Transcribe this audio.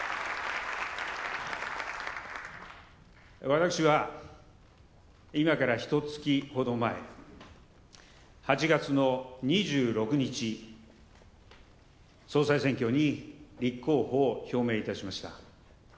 私は今から、ひとつきほど前８月の２６日、総裁選挙に立候補を表明いたしました。